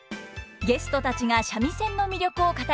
ゲストたちが三味線の魅力を語ります！